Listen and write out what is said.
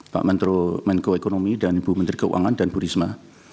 pak menko menko ekonomi dan ibu menteri keuangan dan bu risma